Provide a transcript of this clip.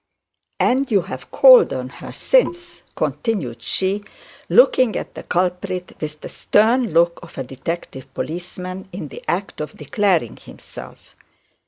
'And you have called on her since,' continued she, looking at the culprit with the stern look of a detective policeman in the act of declaring himself.